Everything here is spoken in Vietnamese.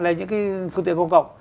lên những cái phương tiện công cộng